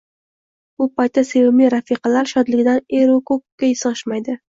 Bu paytda sevimli rafiqalar shodligidan er-u ko`kka sig`ishmaydi